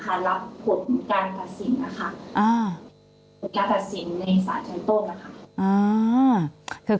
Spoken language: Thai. ค่ะแล้วเราก็ต้องนำของนั้นไปหยุดที่กรุงเทศ